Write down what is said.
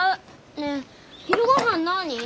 ねえ昼ごはん何？